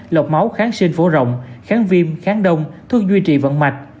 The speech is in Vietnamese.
lọc máu kháng sinh phổ rộng kháng viêm kháng đông thuốc duy trì vận mạch